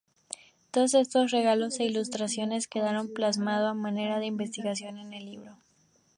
Todos estos regalos e ilustraciones quedaron plasmados a manera de investigación en el libro.